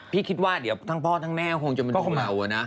พี่คิดว่าเดี๋ยวทั้งพ่อทั้งแม่จะมาดูเราอะนะ